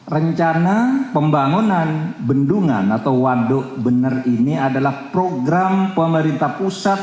rencana pembangunan bendungan atau waduk bener ini adalah program pemerintah pusat